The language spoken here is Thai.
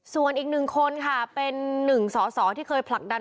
ส่วนอีกหนึ่งคนค่ะเป็นหนึ่งสอสอที่เคยผลักดัน